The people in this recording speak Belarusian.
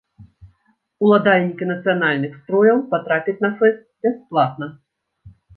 Уладальнікі нацыянальных строяў патрапяць на фэст бясплатна.